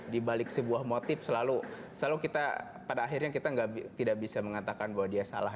di balik sebuah motif selalu kita pada akhirnya kita tidak bisa mengatakan bahwa dia salah